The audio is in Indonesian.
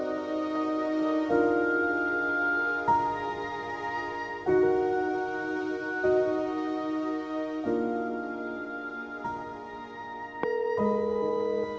akan malah kalian juga lagi